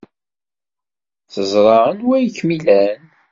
Teẓra anwa ay kem-llan.